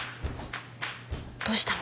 どうしたの？